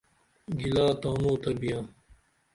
گِلہ تانو تہ بیاں